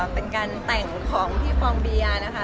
เป็นการแต่งของพี่ฟองเบียร์นะคะ